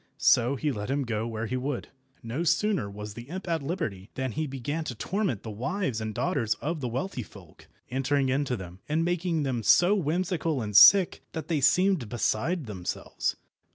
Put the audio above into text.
So he let him go where he would. No sooner was the imp at liberty than he began to torment the wives and daughters of the wealthy folk, entering into them, and making them so whimsical and sick that they seemed beside themselves.